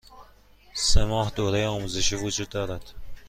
سه ماه دوره آزمایشی وجود دارد.